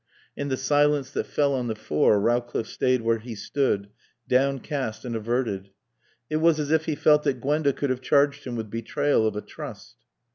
In the silence that fell on the four Rowcliffe stayed where he stood, downcast and averted. It was as if he felt that Gwenda could have charged him with betrayal of a trust.